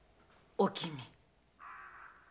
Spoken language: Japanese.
おきみ。